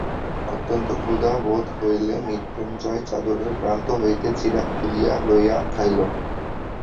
অত্যন্ত ক্ষুধা বোধ হইলে মৃত্যুঞ্জয় চাদরের প্রান্ত হইতে চিঁড়া খুলিয়া লইয়া খাইল।